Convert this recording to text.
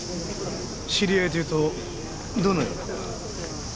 知り合いというとどのような？